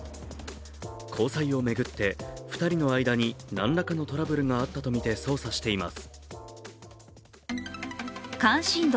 交際をめぐって２人の間に何らかのトラブルがあったとみて捜査しています。